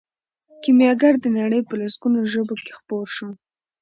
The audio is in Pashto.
کیمیاګر د نړۍ په لسګونو ژبو کې خپور شو.